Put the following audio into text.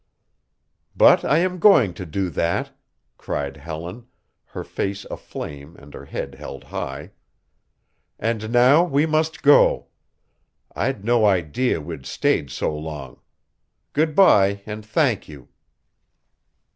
"But I am going to do that," cried Helen, her face aflame and her head held high. "And now we must go I'd no idea we'd stayed so long. Good by and thank you."